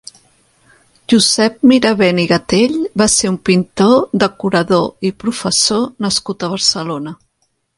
Josep Mirabent i Gatell va ser un pintor, decorador i professor nascut a Barcelona.